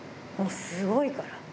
もうすごいから。